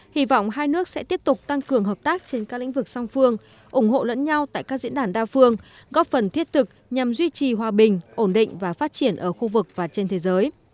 hy vọng hai nước sẽ tiếp tục tăng cường hợp tác trên các lĩnh vực song phương ủng hộ lẫn nhau tại các diễn đàn đa phương góp phần thiết thực nhằm duy trì hòa bình ổn định và phát triển ở khu vực và trên thế giới